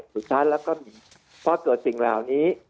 สุดท้ายแล้วก็พอเกิดสิ่งเหล่านี้